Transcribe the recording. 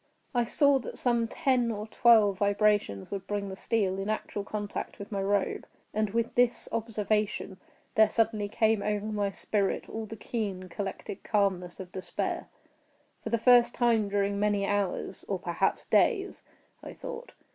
I saw that some ten or twelve vibrations would bring the steel in actual contact with my robe, and with this observation there suddenly came over my spirit all the keen, collected calmness of despair. For the first time during many hours—or perhaps days—I thought.